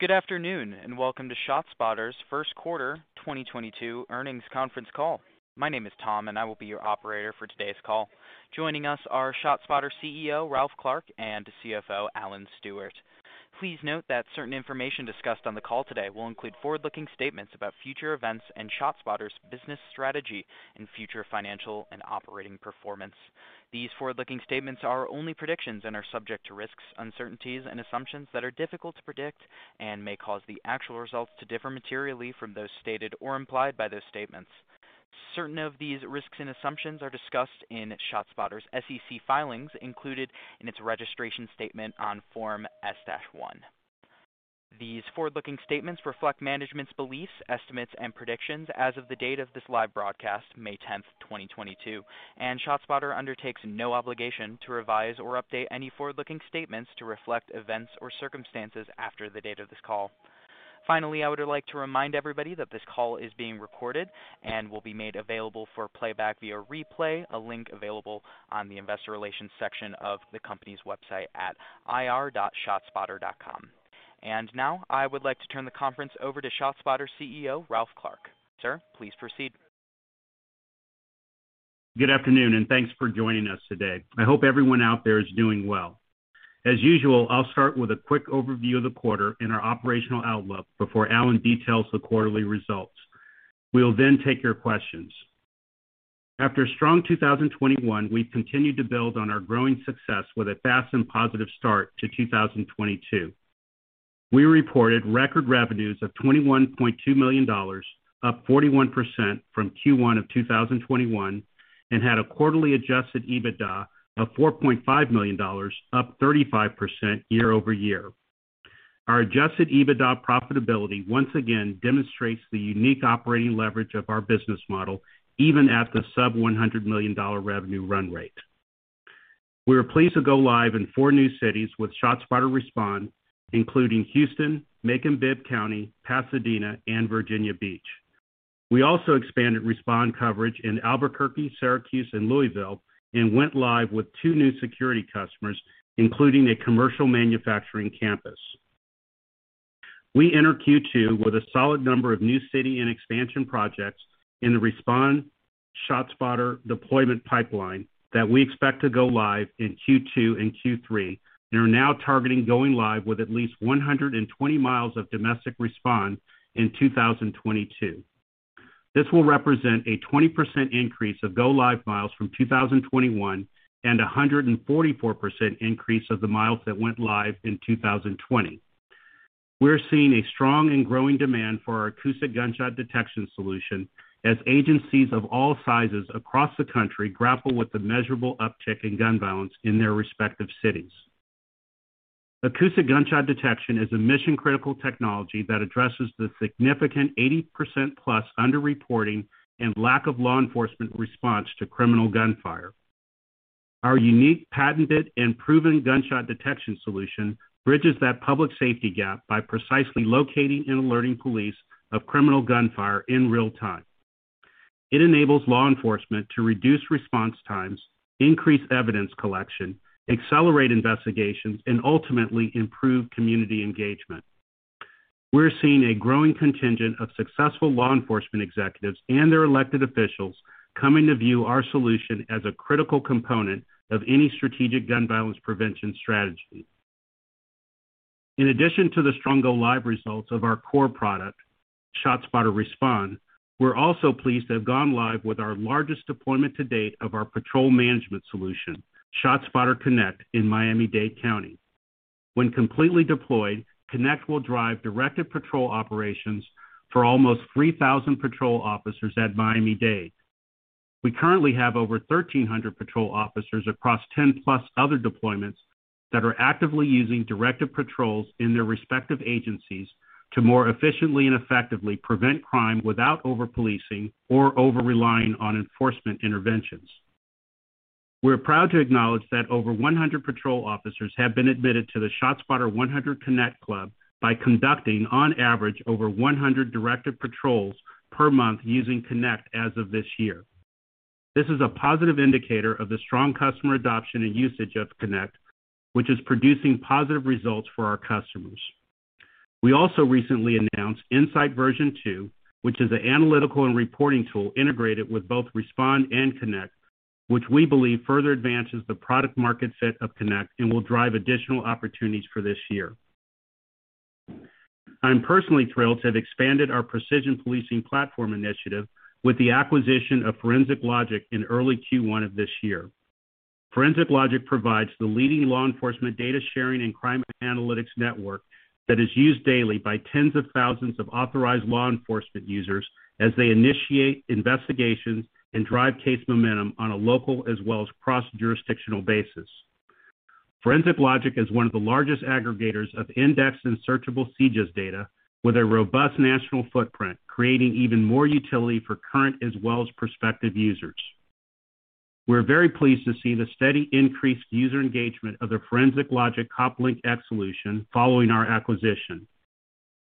Good afternoon, and welcome to ShotSpotter's First Quarter 2022 Earnings Conference Call. My name is Tom, and I will be your operator for today's call. Joining us are ShotSpotter CEO, Ralph Clark, and CFO, Alan Stewart. Please note that certain information discussed on the call today will include forward-looking statements about future events and ShotSpotter's business strategy in future financial and operating performance. These forward-looking statements are only predictions and are subject to risks, uncertainties and assumptions that are difficult to predict and may cause the actual results to differ materially from those stated or implied by these statements. Certain of these risks and assumptions are discussed in ShotSpotter's SEC filings included in its registration statement on Form S-1. These forward-looking statements reflect management's beliefs, estimates and predictions as of the date of this live broadcast, May 10th, 2022, and ShotSpotter undertakes no obligation to revise or update any forward-looking statements to reflect events or circumstances after the date of this call. Finally, I would like to remind everybody that this call is being recorded and will be made available for playback via replay, a link available on the investor relations section of the company's website at ir.shotspotter.com. Now I would like to turn the conference over to ShotSpotter CEO, Ralph Clark. Sir, please proceed. Good afternoon, and thanks for joining us today. I hope everyone out there is doing well. As usual, I'll start with a quick overview of the quarter and our operational outlook before Alan details the quarterly results. We'll then take your questions. After a strong 2021, we've continued to build on our growing success with a fast and positive start to 2022. We reported record revenues of $21.2 million, up 41% from Q1 of 2021, and had a quarterly adjusted EBITDA of $4.5 million, up 35% year-over-year. Our adjusted EBITDA profitability once again demonstrates the unique operating leverage of our business model, even at the sub-$100 million revenue run rate. We were pleased to go live in four new cities with ShotSpotter Respond, including Houston, Macon-Bibb County, Pasadena, and Virginia Beach. We also expanded Respond coverage in Albuquerque, Syracuse, and Louisville, and went live with two new security customers, including a commercial manufacturing campus. We enter Q2 with a solid number of new city and expansion projects in the ShotSpotter Respond deployment pipeline that we expect to go live in Q2 and Q3. We are now targeting going live with at least 120 mi of domestic Respond in 2022. This will represent a 20% increase of go live miles from 2021 and a 144% increase of the miles that went live in 2020. We're seeing a strong and growing demand for our acoustic gunshot detection solution as agencies of all sizes across the country grapple with the measurable uptick in gun violence in their respective cities. Acoustic gunshot detection is a mission-critical technology that addresses the significant 80% plus under-reporting and lack of law enforcement response to criminal gunfire. Our unique, patented, and proven gunshot detection solution bridges that public safety gap by precisely locating and alerting police of criminal gunfire in real time. It enables law enforcement to reduce response times, increase evidence collection, accelerate investigations, and ultimately improve community engagement. We're seeing a growing contingent of successful law enforcement executives and their elected officials coming to view our solution as a critical component of any strategic gun violence prevention strategy. In addition to the strong go live results of our core product, ShotSpotter Respond, we're also pleased to have gone live with our largest deployment to date of our patrol management solution, ShotSpotter Connect, in Miami-Dade County. When completely deployed, Connect will drive directed patrol operations for almost 3,000 patrol officers at Miami-Dade. We currently have over 1,300 patrol officers across 10+ other deployments that are actively using directed patrols in their respective agencies to more efficiently and effectively prevent crime without over-policing or over-relying on enforcement interventions. We're proud to acknowledge that over 100 patrol officers have been admitted to the ShotSpotter 100 Connect Club by conducting, on average, over 100 directed patrols per month using Connect as of this year. This is a positive indicator of the strong customer adoption and usage of Connect, which is producing positive results for our customers. We also recently announced Insight version two, which is an analytical and reporting tool integrated with both Respond and Connect, which we believe further advances the product market fit of Connect and will drive additional opportunities for this year. I'm personally thrilled to have expanded our precision policing platform initiative with the acquisition of Forensic Logic in early Q1 of this year. Forensic Logic provides the leading law enforcement data sharing and crime analytics network that is used daily by tens of thousands of authorized law enforcement users as they initiate investigations and drive case momentum on a local as well as cross-jurisdictional basis. Forensic Logic is one of the largest aggregators of indexed and searchable CJIS data with a robust national footprint, creating even more utility for current as well as prospective users. We're very pleased to see the steady increased user engagement of the Forensic Logic COPLINK X solution following our acquisition.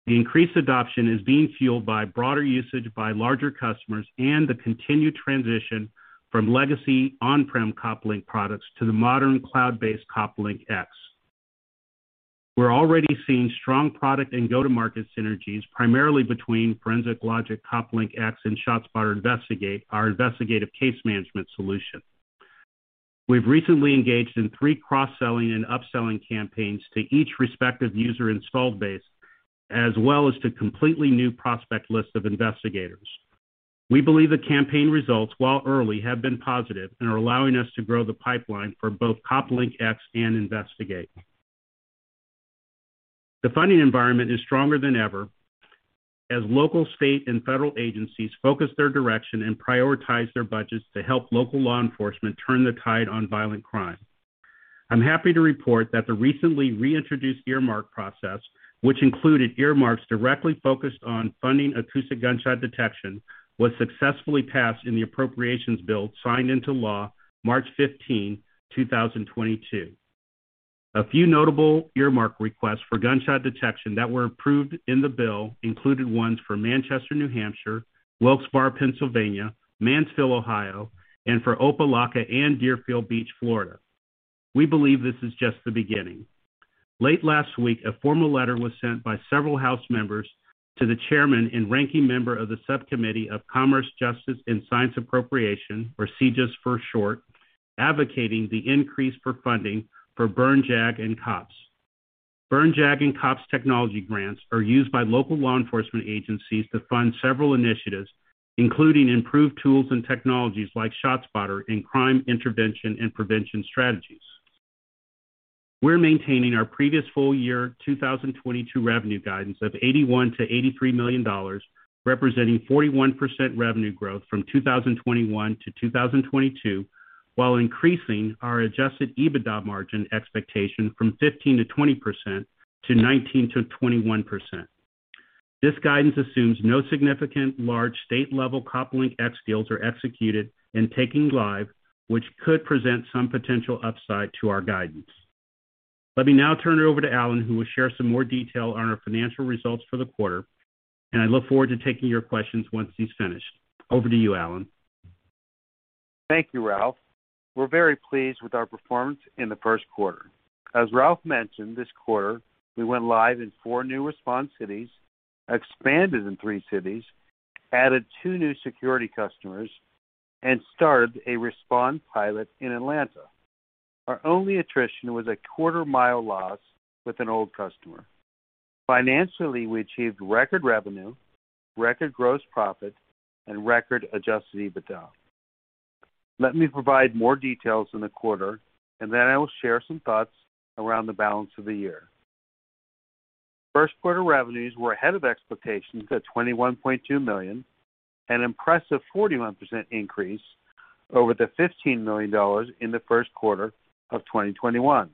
The increased adoption is being fueled by broader usage by larger customers and the continued transition from legacy on-prem COPLINK products to the modern cloud-based COPLINK X. We're already seeing strong product and go-to-market synergies, primarily between Forensic Logic, COPLINK X, and ShotSpotter Investigate, our investigative case management solution. We've recently engaged in three cross-selling and upselling campaigns to each respective user installed base, as well as to completely new prospect lists of investigators. We believe the campaign results, while early, have been positive and are allowing us to grow the pipeline for both COPLINK X and Investigate. The funding environment is stronger than ever as local, state, and federal agencies focus their direction and prioritize their budgets to help local law enforcement turn the tide on violent crime. I'm happy to report that the recently reintroduced earmark process, which included earmarks directly focused on funding acoustic gunshot detection, was successfully passed in the appropriations bill signed into law March 15th, 2022. A few notable earmark requests for gunshot detection that were approved in the bill included ones for Manchester, New Hampshire, Wilkes-Barre, Pennsylvania, Mansfield, Ohio, and for Opa-locka and Deerfield Beach, Florida. We believe this is just the beginning. Late last week, a formal letter was sent by several House members to the chairman and ranking member of the Subcommittee of Commerce, Justice, and Science Appropriations, or CJS for short, advocating the increase for funding for Byrne JAG and COPS. Byrne JAG and COPS technology grants are used by local law enforcement agencies to fund several initiatives, including improved tools and technologies like ShotSpotter in crime intervention and prevention strategies. We're maintaining our previous full year 2022 revenue guidance of $81 million-$83 million, representing 41% revenue growth from 2021-2022, while increasing our adjusted EBITDA margin expectation from 15%-20% to 19%-21%. This guidance assumes no significant large state-level COPLINK X deals are executed and going live, which could present some potential upside to our guidance. Let me now turn it over to Alan, who will share some more detail on our financial results for the quarter, and I look forward to taking your questions once he's finished. Over to you, Alan. Thank you, Ralph. We're very pleased with our performance in the first quarter. As Ralph mentioned, this quarter we went live in four new Respond cities, expanded in three cities, added two new security customers, and started a Respond pilot in Atlanta. Our only attrition was a quarter-mile loss with an old customer. Financially, we achieved record revenue, record gross profit, and record adjusted EBITDA. Let me provide more details on the quarter, and then I will share some thoughts around the balance of the year. First quarter revenues were ahead of expectations at $21.2 million, an impressive 41% increase over the $15 million in the first quarter of 2021.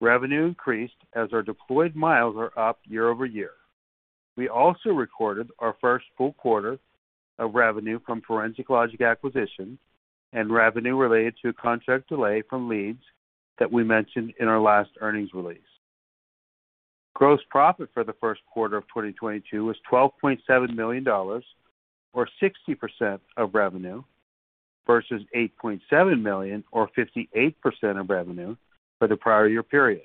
Revenue increased as our deployed miles are up year-over-year. We also recorded our first full quarter of revenue from Forensic Logic acquisition and revenue related to a contract delay from LEEDS that we mentioned in our last earnings release. Gross profit for the first quarter of 2022 was $12.7 million or 60% of revenue versus $8.7 million or 58% of revenue for the prior year period.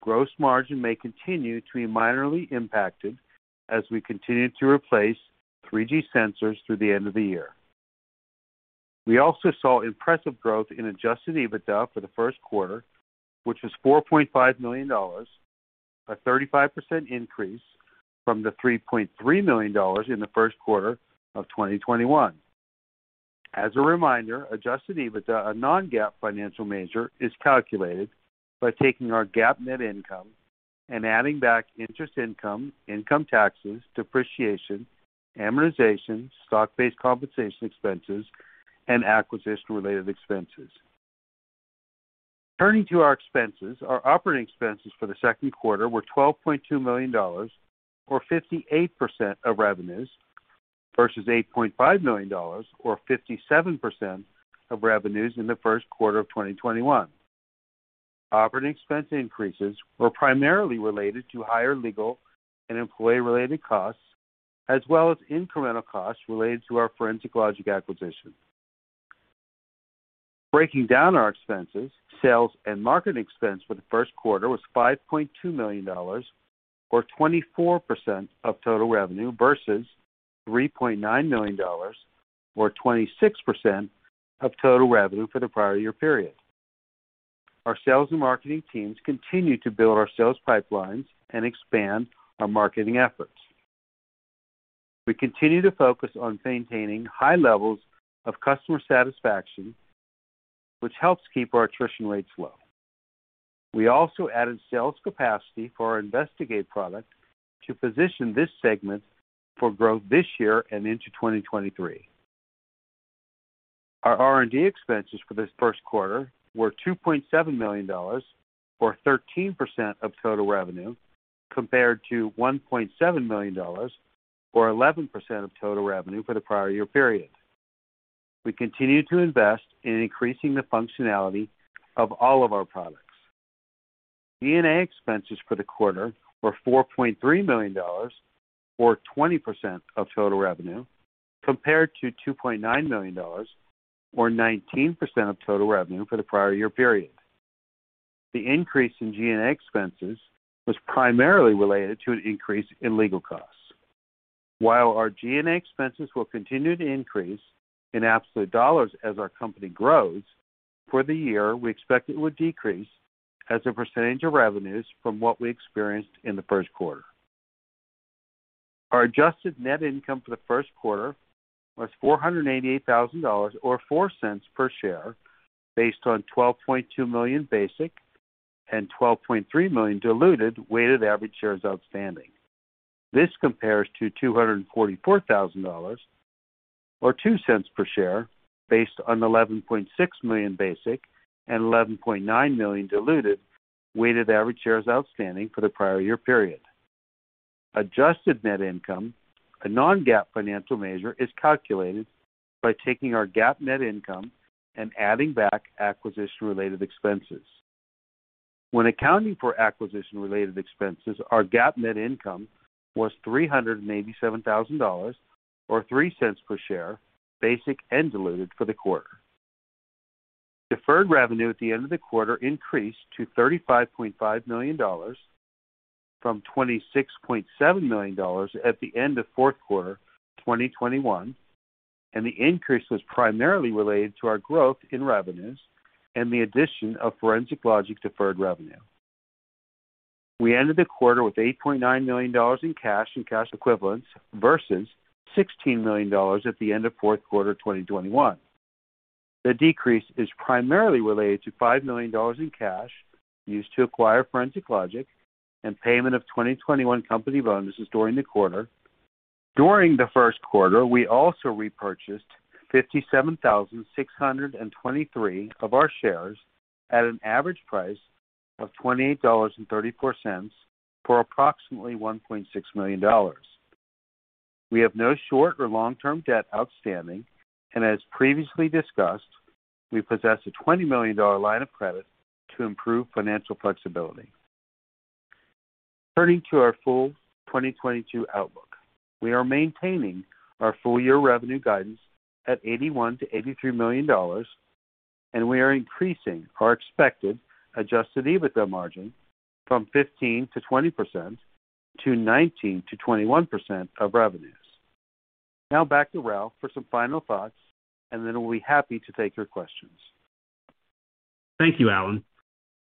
Gross margin may continue to be minorly impacted as we continue to replace 3G sensors through the end of the year. We also saw impressive growth in adjusted EBITDA for the first quarter, which was $4.5 million, a 35% increase from the $3.3 million in the first quarter of 2021. As a reminder, adjusted EBITDA, a non-GAAP financial measure, is calculated by taking our GAAP net income and adding back interest income taxes, depreciation, amortization, stock-based compensation expenses, and acquisition-related expenses. Turning to our expenses, our operating expenses for the second quarter were $12.2 million or 58% of revenues versus $8.5 million or 57% of revenues in the first quarter of 2021. Operating expense increases were primarily related to higher legal and employee-related costs as well as incremental costs related to our Forensic Logic acquisition. Breaking down our expenses, sales and marketing expense for the first quarter was $5.2 million or 24% of total revenue versus $3.9 million or 26% of total revenue for the prior year period. Our sales and marketing teams continue to build our sales pipelines and expand our marketing efforts. We continue to focus on maintaining high levels of customer satisfaction, which helps keep our attrition rates low. We also added sales capacity for our Investigate product to position this segment for growth this year and into 2023. Our R&D expenses for this first quarter were $2.7 million or 13% of total revenue compared to $1.7 million or 11% of total revenue for the prior year period. We continue to invest in increasing the functionality of all of our products. G&A expenses for the quarter were $4.3 million or 20% of total revenue compared to $2.9 million or 19% of total revenue for the prior year period. The increase in G&A expenses was primarily related to an increase in legal costs. While our G&A expenses will continue to increase in absolute dollars as our company grows, for the year, we expect it would decrease as a percentage of revenues from what we experienced in the first quarter. Our adjusted net income for the first quarter was $488 thousand or $0.04 per share based on 12.2 million basic and 12.3 million diluted weighted average shares outstanding. This compares to $244 thousand or $0.02 per share based on 11.6 million basic and 11.9 million diluted weighted average shares outstanding for the prior year period. Adjusted net income, a non-GAAP financial measure, is calculated by taking our GAAP net income and adding back acquisition-related expenses. When accounting for acquisition-related expenses, our GAAP net income was $387,000 or $0.03 per share, basic and diluted for the quarter. Deferred revenue at the end of the quarter increased to $35.5 million from $26.7 million at the end of fourth quarter 2021, and the increase was primarily related to our growth in revenues and the addition of Forensic Logic deferred revenue. We ended the quarter with $8.9 million in cash and cash equivalents versus $16 million at the end of fourth quarter 2021. The decrease is primarily related to $5 million in cash used to acquire Forensic Logic and payment of 2021 company bonuses during the quarter. During the first quarter, we also repurchased 57,623 of our shares at an average price of $28.34 for approximately $1.6 million. We have no short or long-term debt outstanding, and as previously discussed, we possess a $20 million line of credit to improve financial flexibility. Turning to our full 2022 outlook. We are maintaining our full year revenue guidance at $81 million-$83 million, and we are increasing our expected adjusted EBITDA margin from 15%-20% to 19%-21% of revenues. Now back to Ralph for some final thoughts, and then we'll be happy to take your questions. Thank you, Alan.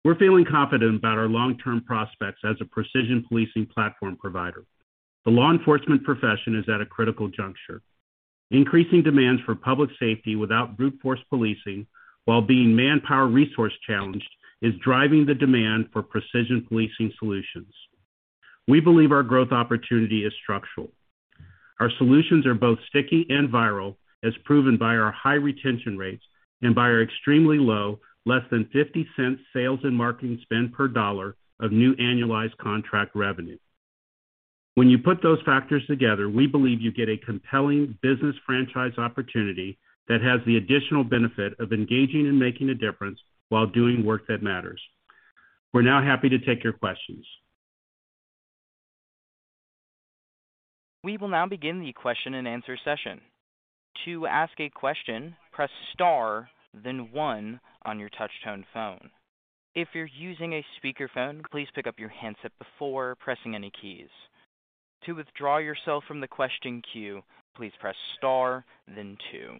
We're feeling confident about our long-term prospects as a precision policing platform provider. The law enforcement profession is at a critical juncture. Increasing demands for public safety without brute force policing while being manpower resource-challenged is driving the demand for precision policing solutions. We believe our growth opportunity is structural. Our solutions are both sticky and viral, as proven by our high retention rates and by our extremely low, less than $0.50 sales and marketing spend per dollar of new annualized contract revenue. When you put those factors together, we believe you get a compelling business franchise opportunity that has the additional benefit of engaging and making a difference while doing work that matters. We're now happy to take your questions. We will now begin the question and answer session. To ask a question, press star then one on your touch tone phone. If you're using a speaker phone, please pick up your handset before pressing any keys. To withdraw yourself from the question queue, please press star then two.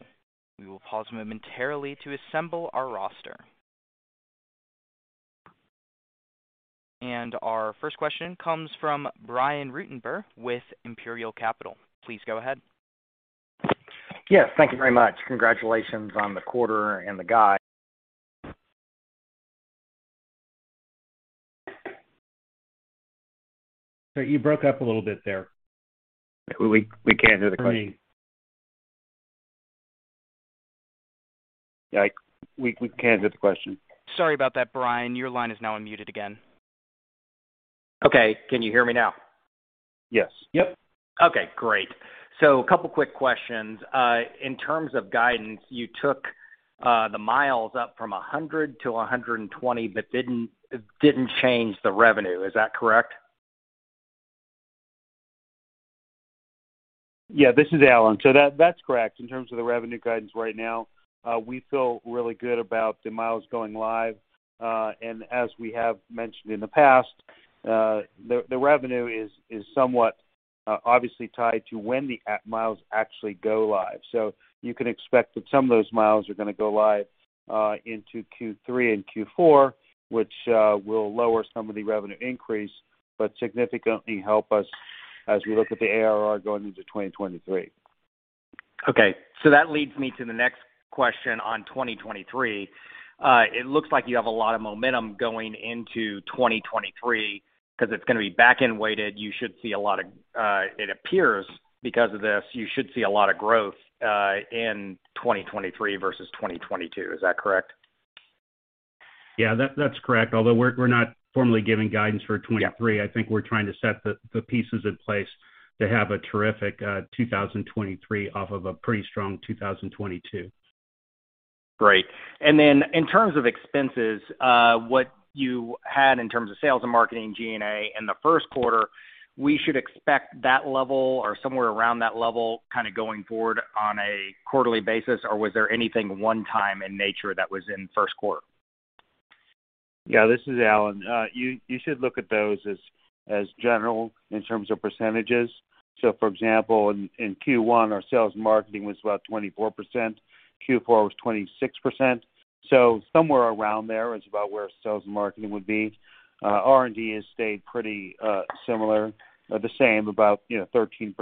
We will pause momentarily to assemble our roster. Our first question comes from Brian Ruttenbur with Imperial Capital. Please go ahead. Yes, thank you very much. Congratulations on the quarter and the guide. You broke up a little bit there. We can't hear the question. For me. Yeah, we can't hear the question. Sorry about that, Brian. Your line is now unmuted again. Okay. Can you hear me now? Yes. Yep. Okay, great. A couple quick questions. In terms of guidance, you took the miles up from 100-120, but didn't change the revenue. Is that correct? Yeah, this is Alan. That's correct. In terms of the revenue guidance right now, we feel really good about the miles going live. As we have mentioned in the past, the revenue is somewhat obviously tied to when the miles actually go live. You can expect that some of those miles are going to go live into Q3 and Q4, which will lower some of the revenue increase, but significantly help us as we look at the ARR going into 2023. Okay. That leads me to the next question on 2023. It looks like you have a lot of momentum going into 2023 'cause it's gonna be back-end weighted. It appears because of this, you should see a lot of growth in 2023 versus 2022. Is that correct? Yeah, that's correct. Although we're not formally giving guidance for 2023. Yeah. I think we're trying to set the pieces in place to have a terrific 2023 off of a pretty strong 2022. Great. In terms of expenses, what you had in terms of sales and marketing G&A in the first quarter, we should expect that level or somewhere around that level kind of going forward on a quarterly basis, or was there anything one-time in nature that was in first quarter? Yeah, this is Alan. You should look at those as general in terms of percentages. For example, in Q1, our sales and marketing was about 24%. Q4 was 26%. Somewhere around there is about where sales and marketing would be. R&D has stayed pretty similar or the same about, you know, 13%.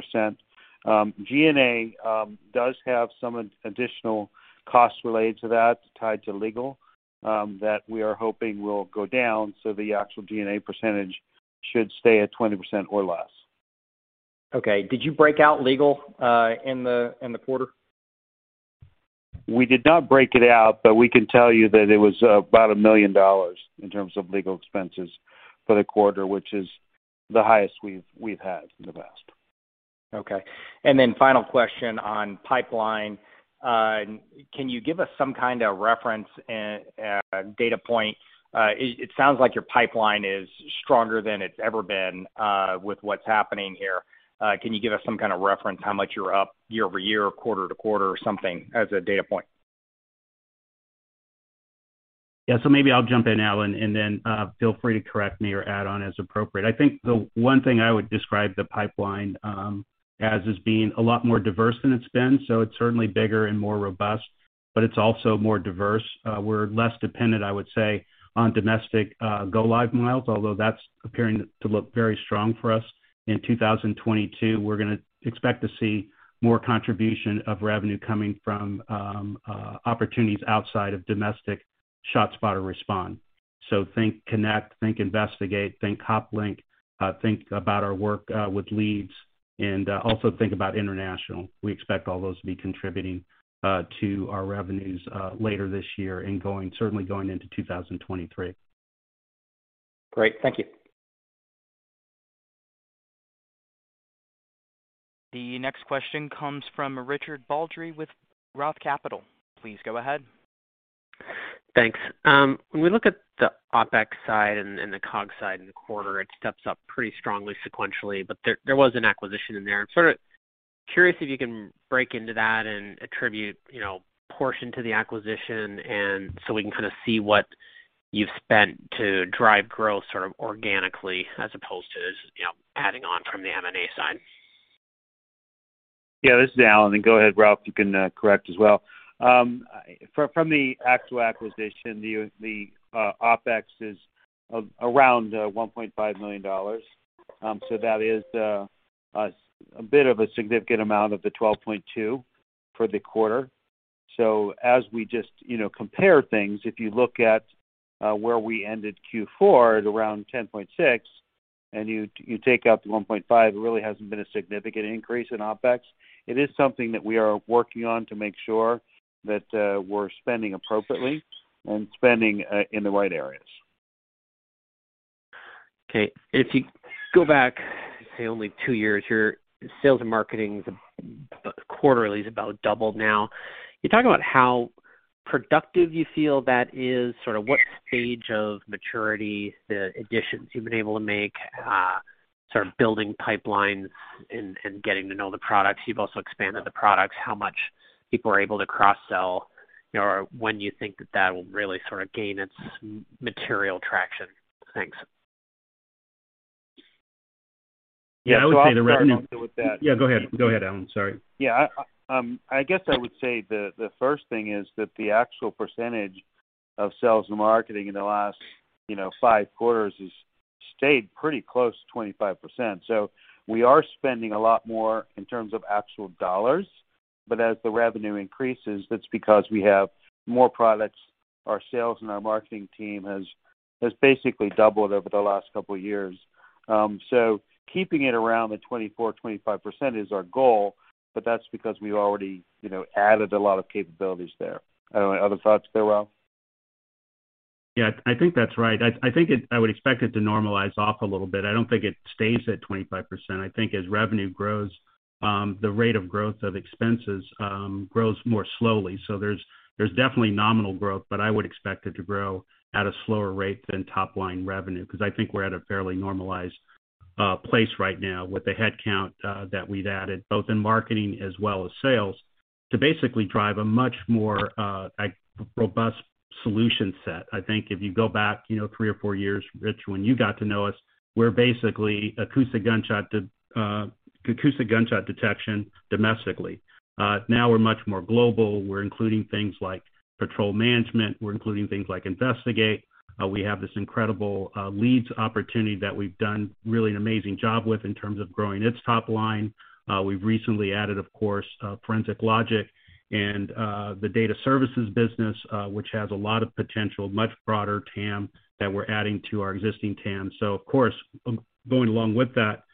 G&A does have some additional costs related to that tied to legal that we are hoping will go down, so the actual G&A percentage should stay at 20% or less. Okay. Did you break out legal in the quarter? We did not break it out, but we can tell you that it was about $1 million in terms of legal expenses for the quarter, which is the highest we've had in the past. Okay. Final question on pipeline. Can you give us some kind of reference and data point? It sounds like your pipeline is stronger than it's ever been, with what's happening here. Can you give us some kind of reference how much you're up year-over-year or quarter-over-quarter or something as a data point? Yeah. Maybe I'll jump in now and then, feel free to correct me or add on as appropriate. I think the one thing I would describe the pipeline as is being a lot more diverse than it's been, so it's certainly bigger and more robust, but it's also more diverse. We're less dependent, I would say, on domestic go-live milestones, although that's appearing to look very strong for us. In 2022, we're gonna expect to see more contribution of revenue coming from opportunities outside of domestic ShotSpotter Respond. Think Connect, think Investigate, think COPLINK, think about our work with LEEDS, and also think about international. We expect all those to be contributing to our revenues later this year and certainly going into 2023. Great. Thank you. The next question comes from Richard Baldry with Roth Capital. Please go ahead. Thanks. When we look at the OpEx side and the COGS side in the quarter, it steps up pretty strongly sequentially. There was an acquisition in there. I'm sort of curious if you can break into that and attribute, you know, portion to the acquisition, and so we can kind of see what you've spent to drive growth sort of organically as opposed to, you know, adding on from the M&A side. Yeah, this is Alan. Go ahead, Ralph, you can correct as well. From the Forensic Logic acquisition, the OpEx is around $1.5 million. That is a bit of a significant amount of the $12.2 million for the quarter. As we just, you know, compare things, if you look at where we ended Q4 at around $10.6 million and you take out the $1.5 million, it really hasn't been a significant increase in OpEx. It is something that we are working on to make sure that we're spending appropriately and spending in the right areas. Okay. If you go back, say, only two years, your sales and marketing quarterly has about doubled now. Can you talk about how productive you feel that is, sort of what stage of maturity, the additions you've been able to make, sort of building pipelines and getting to know the products. You've also expanded the products, how much people are able to cross-sell or when you think that will really sort of gain its material traction. Thanks. Yeah, I would say the revenue. I'll start, and I'll deal with that. Yeah, go ahead. Go ahead, Alan. Sorry. I guess I would say the first thing is that the actual percentage of sales and marketing in the last, you know, five quarters has stayed pretty close to 25%. We are spending a lot more in terms of actual dollars. As the revenue increases, that's because we have more products. Our sales and our marketing team has basically doubled over the last couple of years. Keeping it around the 24%-25% is our goal, but that's because we've already, you know, added a lot of capabilities there. I don't know, other thoughts there, Ralph? Yeah. I think that's right. I would expect it to normalize off a little bit. I don't think it stays at 25%. I think as revenue grows, the rate of growth of expenses grows more slowly. So there's definitely nominal growth, but I would expect it to grow at a slower rate than top line revenue, because I think we're at a fairly normalized place right now with the headcount that we've added, both in marketing as well as sales, to basically drive a much more robust solution set. I think if you go back, you know, three or four years, Rich, when you got to know us, we're basically acoustic gunshot detection domestically. Now we're much more global. We're including things like patrol management. We're including things like investigate. We have this incredible LEEDS opportunity that we've done really an amazing job with in terms of growing its top line. We've recently added, of course, Forensic Logic and the data services business, which has a lot of potential, much broader TAM that we're adding to our existing TAM. Of course, going along with that,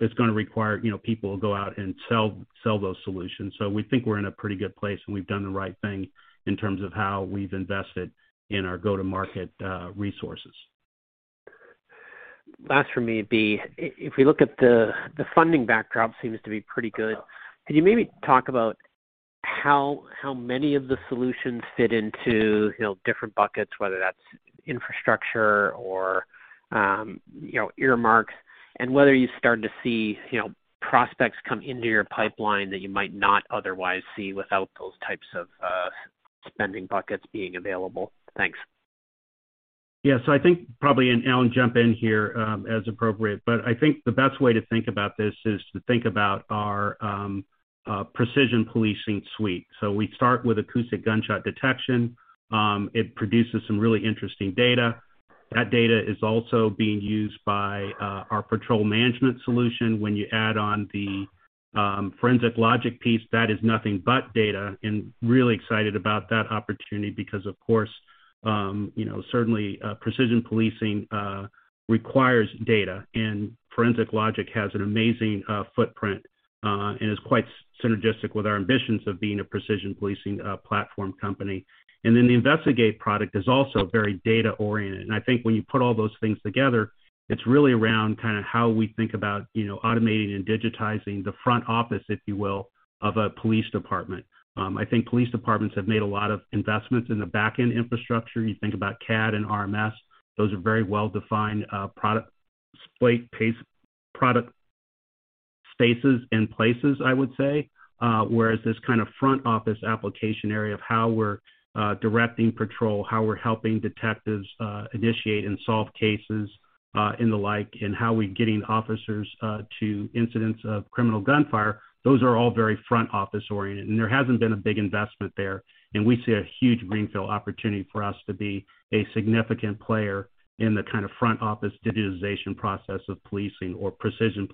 it's gonna require, you know, people to go out and sell those solutions. We think we're in a pretty good place, and we've done the right thing in terms of how we've invested in our go-to-market resources. Last for me would be if we look at the funding backdrop seems to be pretty good. Could you maybe talk about how many of the solutions fit into, you know, different buckets, whether that's infrastructure or, you know, earmark, and whether you start to see, you know, prospects come into your pipeline that you might not otherwise see without those types of spending buckets being available? Thanks. Yeah. I think probably, and Alan jump in here, as appropriate, but I think the best way to think about this is to think about our precision policing suite. We start with acoustic gunshot detection. It produces some really interesting data. That data is also being used by our patrol management solution. When you add on the Forensic Logic piece, that is nothing but data, and really excited about that opportunity because of course, you know, certainly precision policing requires data, and Forensic Logic has an amazing footprint, and is quite synergistic with our ambitions of being a precision policing platform company. Then the Investigate product is also very data-oriented. I think when you put all those things together, it's really around kind of how we think about, you know, automating and digitizing the front office, if you will, of a police department. I think police departments have made a lot of investments in the back-end infrastructure. You think about CAD and RMS, those are very well-defined product spaces and places, I would say. Whereas this kind of front office application area of how we're directing patrol, how we're helping detectives initiate and solve cases, and the like, and how we're getting officers to incidents of criminal gunfire, those are all very front office-oriented, and there hasn't been a big investment there. We see a huge greenfield opportunity for us to be a significant player in the kind of front office digitization process of policing, or precision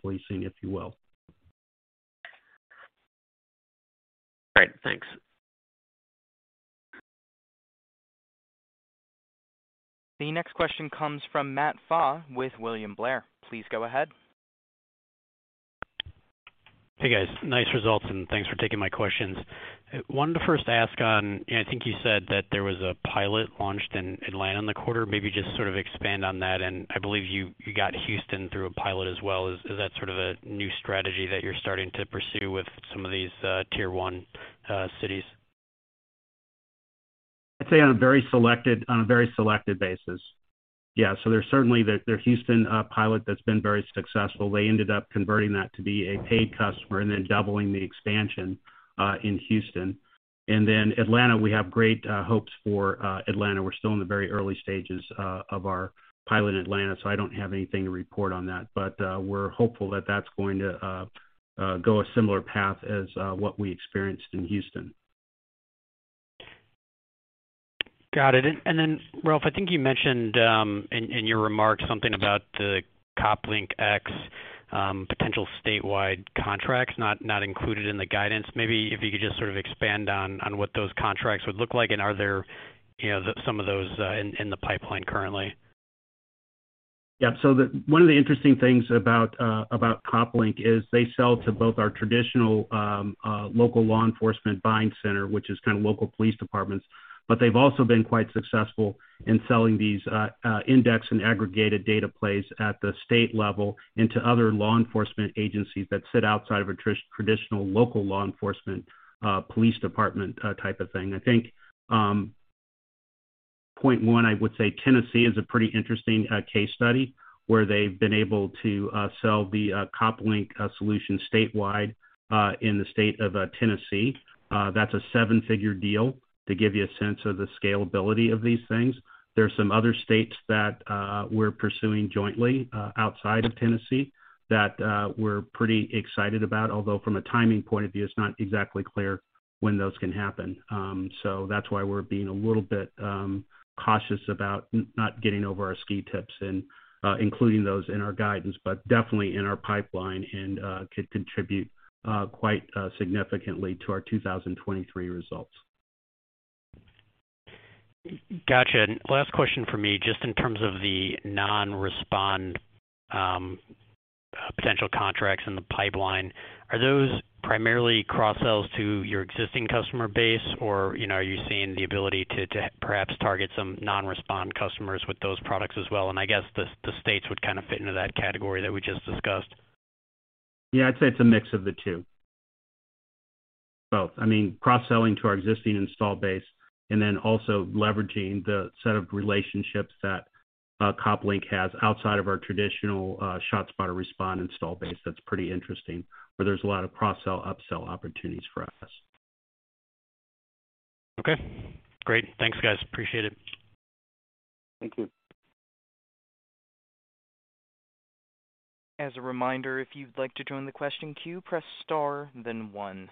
policing, if you will. All right. Thanks. The next question comes from Matt Pfau with William Blair. Please go ahead. Hey, guys. Nice results, and thanks for taking my questions. Wanted to first ask on, and I think you said that there was a pilot launched in Atlanta in the quarter. Maybe just sort of expand on that. I believe you got Houston through a pilot as well. Is that sort of a new strategy that you're starting to pursue with some of these Tier 1 cities? I'd say on a very selected basis. Yeah. There's certainly their Houston pilot that's been very successful. They ended up converting that to be a paid customer and then doubling the expansion in Houston. Atlanta, we have great hopes for Atlanta. We're still in the very early stages of our pilot in Atlanta, so I don't have anything to report on that. We're hopeful that that's going to go a similar path as what we experienced in Houston. Got it. Ralph, I think you mentioned in your remarks something about the COPLINK X potential statewide contracts not included in the guidance. Maybe if you could just sort of expand on what those contracts would look like, and are there, you know, some of those in the pipeline currently? One of the interesting things about COPLINK is they sell to both our traditional local law enforcement buying center, which is kind of local police departments, but they've also been quite successful in selling these index and aggregated data plays at the state level into other law enforcement agencies that sit outside of a traditional local law enforcement police department type of thing. I think point one, I would say Tennessee is a pretty interesting case study, where they've been able to sell the COPLINK solution statewide in the state of Tennessee. That's a seven-figure deal to give you a sense of the scalability of these things. There are some other states that we're pursuing jointly outside of Tennessee that we're pretty excited about, although from a timing point of view, it's not exactly clear when those can happen. That's why we're being a little bit cautious about not getting over our skis and including those in our guidance, but definitely in our pipeline and could contribute quite significantly to our 2023 results. Gotcha. Last question for me, just in terms of the non-Respond potential contracts in the pipeline. Are those primarily cross-sells to your existing customer base? Or, you know, are you seeing the ability to perhaps target some non-Respond customers with those products as well? I guess the states would kind of fit into that category that we just discussed. Yeah. I'd say it's a mix of the two. Both. I mean, cross-selling to our existing install base and then also leveraging the set of relationships that, COPLINK has outside of our traditional, ShotSpotter Respond install base. That's pretty interesting, where there's a lot of cross-sell, upsell opportunities for us. Okay. Great. Thanks, guys. Appreciate it. Thank you. As a reminder, if you'd like to join the question queue, press star then one.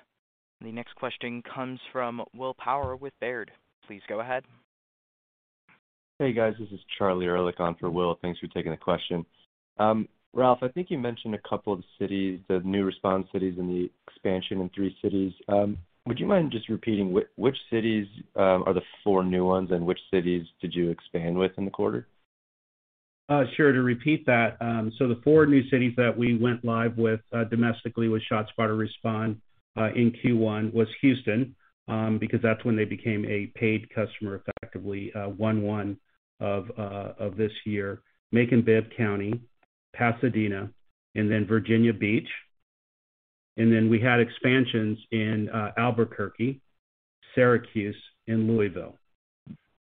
The next question comes from Will Power with Baird. Please go ahead. Hey, guys. This is Charlie Erlikh on for Will. Thanks for taking the question. Ralph, I think you mentioned a couple of the cities, the new Respond cities and the expansion in three cities. Would you mind just repeating which cities are the four new ones and which cities did you expand with in the quarter? Sure. To repeat that, so the four new cities that we went live with, domestically with ShotSpotter Respond, in Q1 was Houston, because that's when they became a paid customer, effectively, one of this year. Macon-Bibb County, Pasadena, and Virginia Beach. We had expansions in Albuquerque, Syracuse, and Louisville,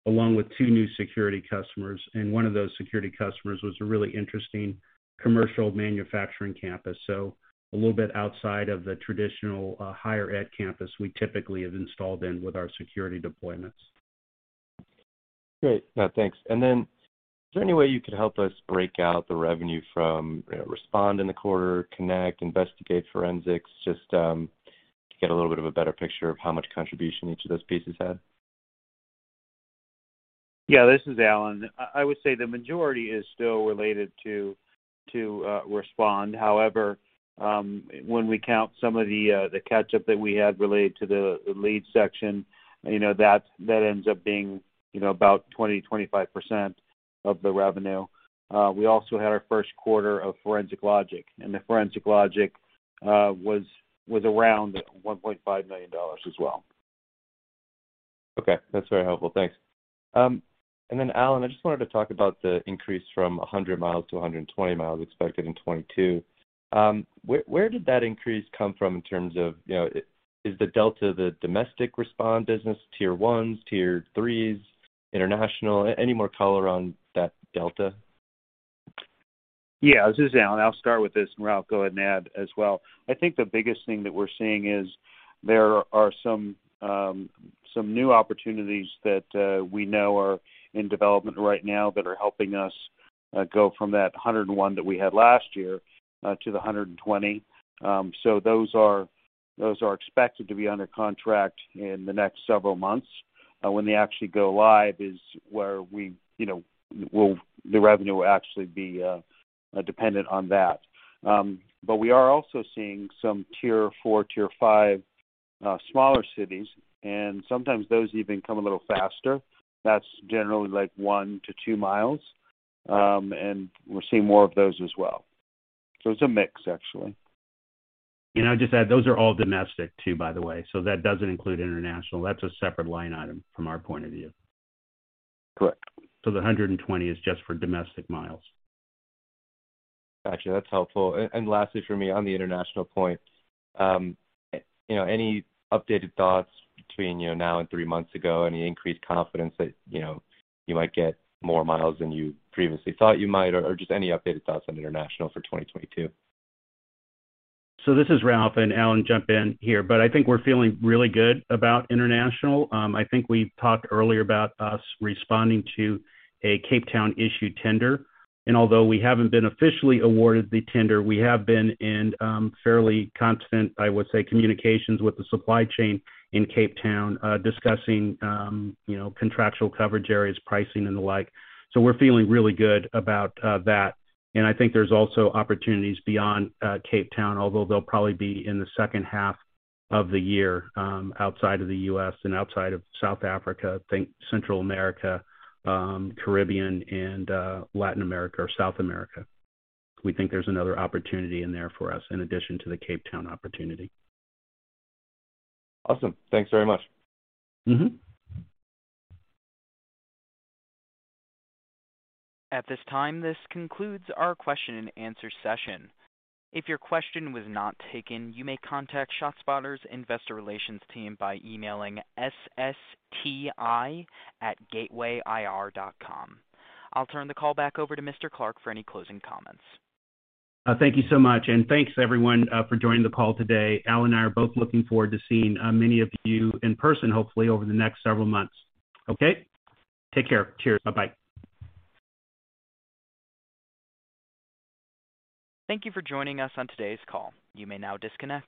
along with two new security customers. One of those security customers was a really interesting commercial manufacturing campus, so a little bit outside of the traditional higher ed campus we typically have installed in with our security deployments. Great. No, thanks. Is there any way you could help us break out the revenue from, you know, Respond in the quarter, Connect, Investigate, Forensic Logic, just, to get a little bit of a better picture of how much contribution each of those pieces had? Yeah, this is Alan. I would say the majority is still related to Respond. However, when we count some of the catch-up that we had related to the lead section, you know, that ends up being, you know, about 20%-25% of the revenue. We also had our first quarter of Forensic Logic, and the Forensic Logic was around $1.5 million as well. Okay, that's very helpful. Thanks. Alan, I just wanted to talk about the increase from 100 mi-120 mi expected in 2022. Where did that increase come from in terms of, you know, is the delta the domestic Respond business, Tier 1, Tier 3, international? Any more color on that delta? Yeah, this is Alan. I'll start with this, and Ralph go ahead and add as well. I think the biggest thing that we're seeing is there are some new opportunities that we know are in development right now that are helping us go from that 101 that we had last year to the 120. Those are expected to be under contract in the next several months. When they actually go live is where we, you know, the revenue will actually be dependent on that. We are also seeing some Tier 4, Tier 5 smaller cities, and sometimes those even come a little faster. That's generally like 1-2 mi. We're seeing more of those as well. It's a mix actually. I'll just add, those are all domestic too, by the way, so that doesn't include international. That's a separate line item from our point of view. Correct. The 120 is just for domestic miles. Gotcha. That's helpful. Lastly for me on the international point, you know, any updated thoughts between, you know, now and three months ago, any increased confidence that, you know, you might get more miles than you previously thought you might or just any updated thoughts on international for 2022? This is Ralph, and Alan, jump in here. I think we're feeling really good about international. I think we talked earlier about us responding to a Cape Town issued tender, and although we haven't been officially awarded the tender, we have been in fairly constant, I would say, communications with the supply chain in Cape Town, discussing you know, contractual coverage areas, pricing and the like. We're feeling really good about that. I think there's also opportunities beyond Cape Town, although they'll probably be in the second half of the year, outside of the U.S. and outside of South Africa. Think Central America, Caribbean, and Latin America or South America. We think there's another opportunity in there for us in addition to the Cape Town opportunity. Awesome. Thanks very much. Mm-hmm. At this time, this concludes our question and answer session. If your question was not taken, you may contact ShotSpotter's investor relations team by emailing SSTI@gatewayir.com. I'll turn the call back over to Mr. Clark for any closing comments. Thank you so much, and thanks everyone for joining the call today. Alan and I are both looking forward to seeing many of you in person hopefully over the next several months. Okay? Take care. Cheers. Bye-bye. Thank you for joining us on today's call. You may now disconnect.